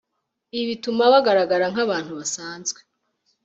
Ibi bituma bagaragara nk'abantu basanzwe,